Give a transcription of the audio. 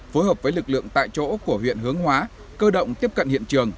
phối hợp với lực lượng tại chỗ của huyện hướng hóa cơ động tiếp cận hiện trường